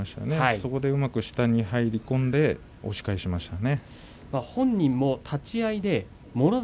そこでうまく下に下に入り込んで押し返しましたね。